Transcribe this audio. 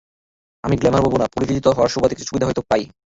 আমি গ্ল্যামার বলব না, পরিচিত হওয়ার সুবাদে কিছু সুবিধা হয়তো পাই।